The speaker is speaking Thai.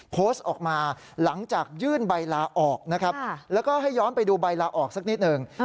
โพสต์ออกมาหลังจากยื่นใบลาออกนะครับแล้วก็ให้ย้อนไปดูใบลาออกสักนิดหนึ่ง